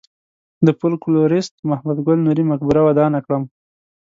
د فولکلوریست محمد ګل نوري مقبره ودانه کړم.